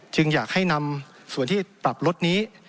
อยากให้นำส่วนที่ปรับลดนี้